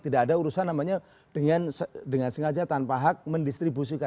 tidak ada urusan namanya dengan sengaja tanpa hak mendistribusikan